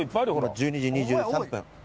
１２時２３分。